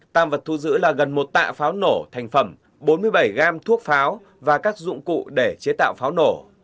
tam vật thu giữ là gần một tạ pháo nổ thành phẩm bốn mươi bảy gam thuốc pháo và các dụng cụ để chế tạo pháo nổ